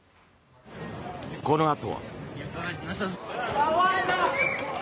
このあとは。